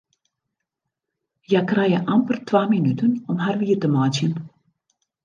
Hja krije amper twa minuten om har wier te meitsjen.